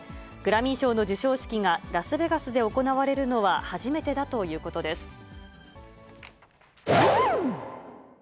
グラミー賞の授賞式がラスベガスで行われるのは初めてだということです。